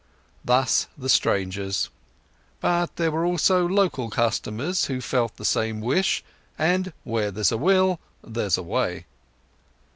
Thus the strangers. But there were also local customers who felt the same wish; and where there's a will there's a way.